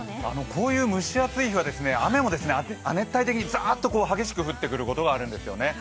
こういう蒸し暑い日は雨も亜熱帯的にザーっと激しく降ってくることがあるんですよね。